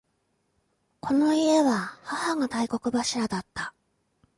この家は母が大黒柱だった。